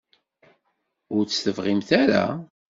Ur tt-tebɣimt ara?